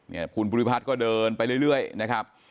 เนี่ยคุณภูริพัฒน์ก็เดินไปเรื่อยนะครับ